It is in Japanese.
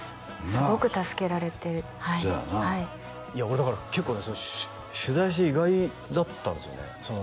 すごく助けられてはいそやないや俺だから結構ね取材して意外だったんですよね